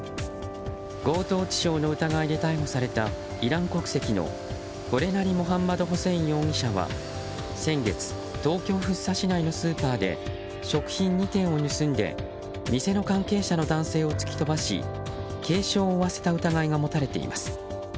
強盗致傷の疑いで逮捕されたイラン国籍のゴレナリ・モハンマドホセイン容疑者は先月、東京・福生市内のスーパーで食品２点を盗んで店の関係者の男性を突き飛ばし軽傷を負わせた疑いが持たれています。